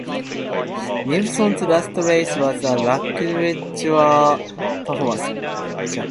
Nilsson's last race was a lacklustre performance.